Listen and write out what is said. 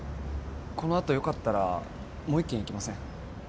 この後よかったらもう一軒行きません？